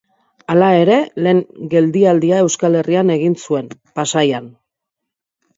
Hala ere, lehen geldialdia Euskal Herrian egin zuen, Pasaian.